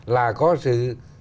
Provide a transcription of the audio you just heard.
là có sự